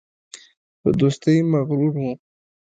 په دوستۍ مغرور وو.